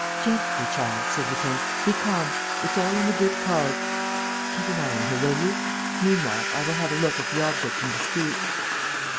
"Gently, child," said Lupin, "be calm. ... It's all in a good cause. ... Keep an eye on her, will you? Meanwhile, I will have a look at the object in dispute."